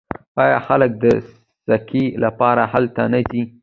آیا خلک د سکي لپاره هلته نه ځي؟